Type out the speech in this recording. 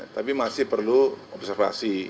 tapi masih perlu observasi